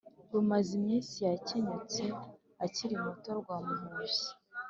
rumaziminsi yakenyutse akiri muto, rwamuhushye